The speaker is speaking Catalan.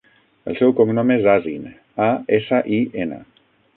El seu cognom és Asin: a, essa, i, ena.